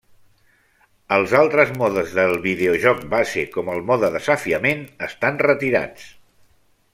Els altres modes del videojoc base com el Mode Desafiament estan retirats.